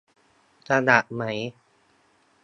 สลัดมั้ย